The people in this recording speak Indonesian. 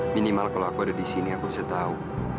minimal kalau aku ada di sini aku bisa tahu